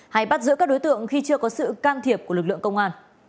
hay bắt giữ các đối tượng khi chưa có sự can thiệp của lực lượng công an